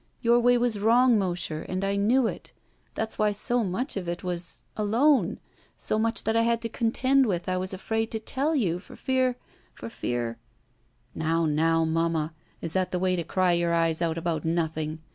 Your way was wrong, Mosher, and I knew it. That's why so much of it was — alone — so 236 ROULETTE much that I had to contend with I w^ afraid to tell you, for fear — ^for fear —" "Now, now, Mamma, is that the way to cry your eyes out about nothing?